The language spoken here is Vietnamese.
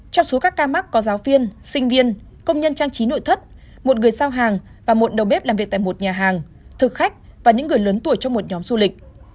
trong số các ca mắc có giáo viên sinh viên công nhân trang trí nội thất một người giao hàng và một đầu bếp làm việc tại một nhà hàng thực khách và những người lớn tuổi trong một nhóm du lịch